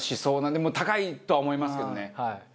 でも高いとは思いますけどね。